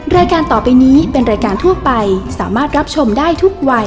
รายการต่อไปนี้เป็นรายการทั่วไปสามารถรับชมได้ทุกวัย